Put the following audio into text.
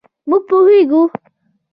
مونږ پوهیږو